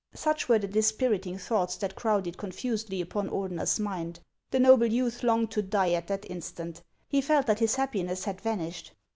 Such were the dispiriting thoughts that crowded con fusedly upon Ordener's mind. The noble youth longed to die at that instant ; he felt that his happiness had vanished.